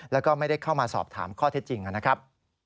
แล้วก็ไม่ได้เข้ามาสอบถามข้อเท็จจริงนะครับ